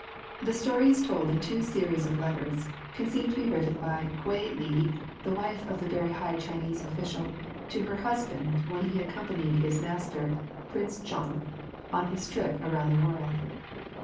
The story is told in two series of letters conceived to be written by Kwei li, the wife of a very high Chinese official, to her husband when he accompanied his master, Prince Chung, on his trip around the world.